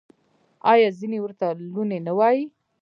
آیا ځینې ورته لوني نه وايي؟